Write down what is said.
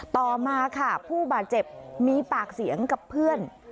ต่อมาค่ะผู้บาดเจ็บมีปากเสียงกับเพื่อน